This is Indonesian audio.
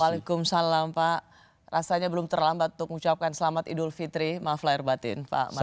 waalaikumsalam pak rasanya belum terlambat untuk mengucapkan selamat idul fitri maaf lahir batin pak menteri